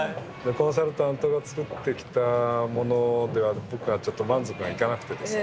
コンサルタントが作ってきたものでは僕はちょっと満足がいかなくてですね。